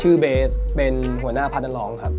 ชื่อเบสเป็นหัวหน้าภาคดันร้องครับ